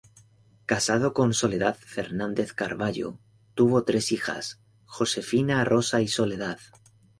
Casado con Soledad Fernández Carballo, tuvo tres hijas: Josefina, Rosa y Soledad.